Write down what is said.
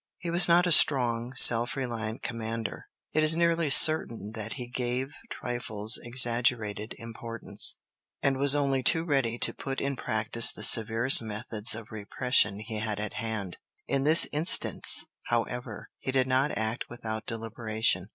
He was not a strong, self reliant commander. It is nearly certain that he gave trifles exaggerated importance, and was only too ready to put in practice the severest methods of repression he had at hand. In this instance, however, he did not act without deliberation.